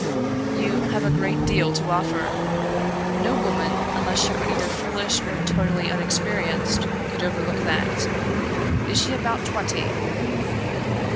"You have a great deal to offer. No woman, unless she were either foolish or totally unexperienced, could overlook that. Is she about twenty?"